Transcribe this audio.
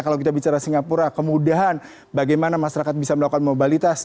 kalau kita bicara singapura kemudahan bagaimana masyarakat bisa melakukan mobilitas